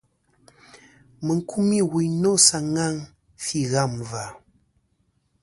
Mɨ n-kumî wuyn nô sa ŋaŋ fî ghâm và..